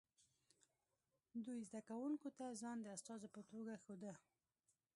دوی زده کوونکو ته ځان د استازو په توګه ښوده